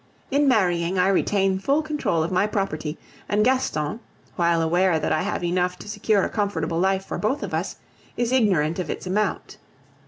In marrying I retain full control of my property; and Gaston, while aware that I have enough to secure a comfortable life for both of us, is ignorant of its amount.